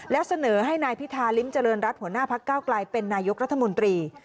แล้วเสนอให้นายพิธาริมเจริญรัฐหัวหน้าพักเก้าไกลเป็นนายกรัฐมนตรี